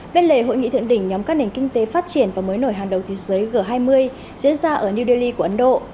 bên lề hội nghị thượng đỉnh nhóm các nền kinh tế phát triển và mới nổi hàng đầu thế giới g hai mươi diễn ra ở new delhi của ấn độ